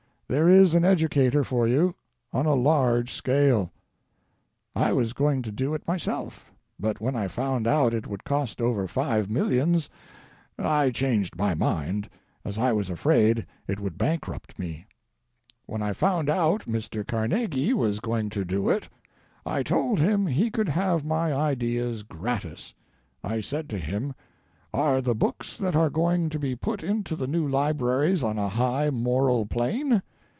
There is an educator for you on a large scale. I was going to do it myself, but when I found out it would cost over five millions I changed my mind, as I was afraid it would bankrupt me. "When I found out Mr. Carnegie was going to do it, I told him he could have my ideas gratis. I said to him, 'Are the books that are going to be put into the new libraries on a high moral plane?'